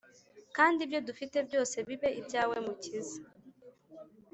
Kandi ibyo dufite byose bibe ibyawe mukiza